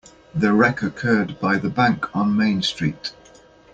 The wreck occurred by the bank on Main Street.